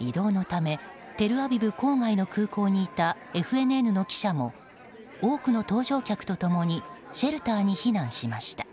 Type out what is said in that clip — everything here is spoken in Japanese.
移動のためテルアビブ郊外の空港にいたＦＮＮの記者も多くの搭乗客と共にシェルターに避難しました。